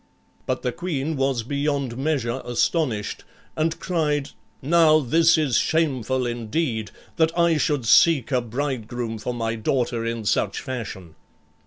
But the queen was beyond measure astonished, and cried, "Now this is shameful indeed, that I should seek a bridegroom for my daughter in such fashion."